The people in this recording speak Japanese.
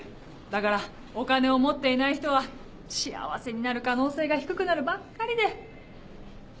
だからお金を持っていない人は幸せになる可能性が低くなるばっかりで。